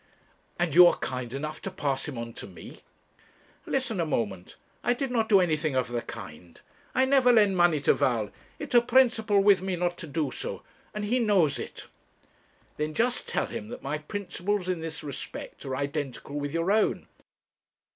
'And you are kind enough to pass him on to me.' 'Listen a moment. I did not do anything of the kind. I never lend money to Val. It's a principle with me not to do so, and he knows it.' 'Then just tell him that my principles in this respect are identical with your own.'